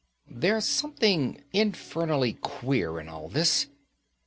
There's something infernally queer in all this.